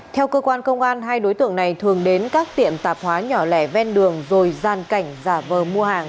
theo cơ quan công an hai đối tượng này thường đến các tiệm tạp hóa nhỏ lẻ ven đường rồi gian cảnh giả vờ mua hàng